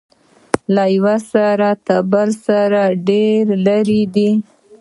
له یوه سر تر بل سر ډیر لرې دی.